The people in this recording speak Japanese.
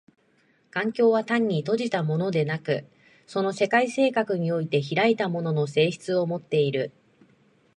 環境は単に閉じたものでなく、その世界性格において開いたものの性質をもっている。